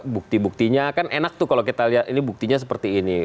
bukti buktinya kan enak tuh kalau kita lihat ini buktinya seperti ini